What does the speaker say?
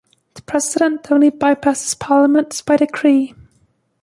The president only bypasses parliament by decree.